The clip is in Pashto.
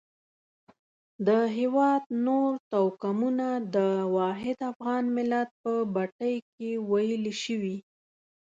د هېواد نور توکمونه د واحد افغان ملت په بټۍ کې ویلي شوي.